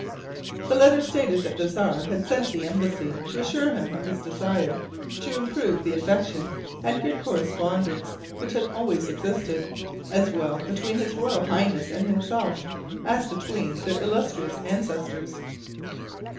The letter stated that the Czar had sent the embassy to assure him of his desire "to improve the affection and good correspondence which had always existed, as well between his royal highness and himself as between their illustrious ancestors."